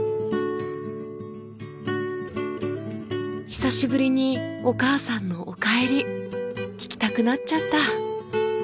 久しぶりにお母さんの「おかえり」聞きたくなっちゃった。